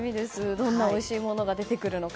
どんなおいしいものが出てくるのか。